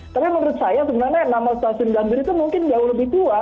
karena menurut saya sebenarnya nama stasiun gambir itu mungkin jauh lebih tua